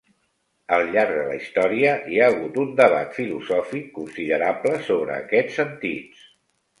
Al llarg de la història, hi ha hagut un debat filosòfic considerable sobre aquests sentits.